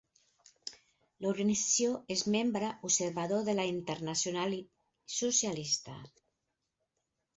L'organització és membre observador de la Internacional Socialista.